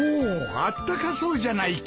あったかそうじゃないか！